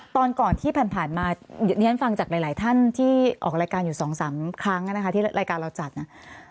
ตอนก่อนที่ผ่านมาเรียนฟังจากหลายท่านที่ออกรายการอยู่๒๓ครั้งนะคะที่รายการเราจัดนะ